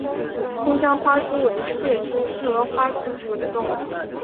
新疆花蛛为蟹蛛科花蛛属的动物。